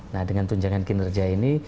nah dengan tunjangan kinerja ini